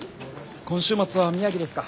今週末は宮城ですか。